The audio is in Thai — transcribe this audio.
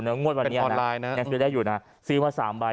ในงวดวันนี้เป็นออนไลน์น่ะยังซื้อได้อยู่น่ะซื้อมาสามใบ